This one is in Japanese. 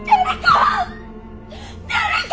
誰か！